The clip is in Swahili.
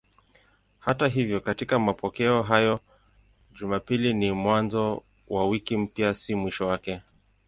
Hata hivyo katika mapokeo hayo Jumapili ni mwanzo wa wiki mpya, si mwisho wake.